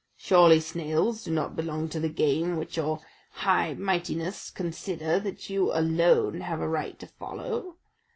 Surely snails do not belong to the game which your high mightinesses consider that you alone have a right to follow!